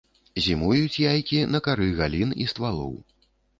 Зімуюць яйкі на кары галін і ствалоў.